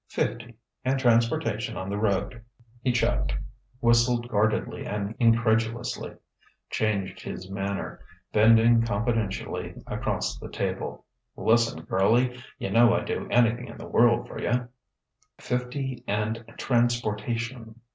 "Fifty and transportation on the road." He checked; whistled guardedly and incredulously; changed his manner, bending confidentially across the table: "Listen, girlie, yunno I'd do anything in the world for you " "Fifty and transportation!"